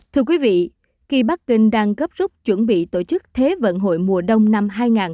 thưa quý vị khi bắc kinh đang gấp rút chuẩn bị tổ chức thế vận hội mùa đông năm hai nghìn hai mươi bốn